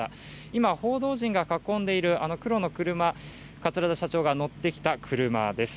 今、報道陣が囲んでいるあの黒の車桂田社長が乗ってきた車です。